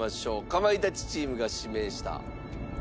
かまいたちチームが指名した花咲がに